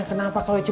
aku tadi bukan vogel